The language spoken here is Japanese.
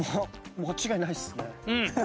間違いないですね。